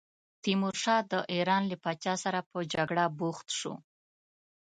تیمورشاه د ایران له پاچا سره په جګړه بوخت شو.